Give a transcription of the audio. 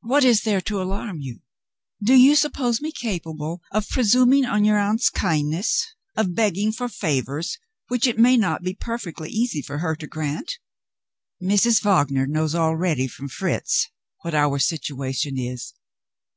What is there to alarm you? Do you suppose me capable of presuming on your aunt's kindness of begging for favors which it may not be perfectly easy for her to grant? Mrs. Wagner knows already from Fritz what our situation is.